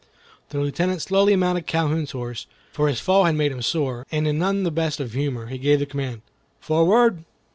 The Lieutenant slowly mounted Calhoun's horse, for his fall had made him sore, and in none the best of humor, he gave the command, "Forward!"